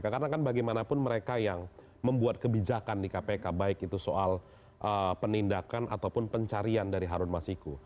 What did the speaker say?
karena kan bagaimanapun mereka yang membuat kebijakan di kpk baik itu soal penindakan ataupun pencarian dari harun masiku